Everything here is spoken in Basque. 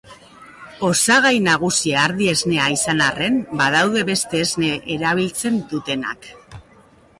Osagai nagusia ardi-esnea izan arren badaude beste esne erabiltzen dutenak.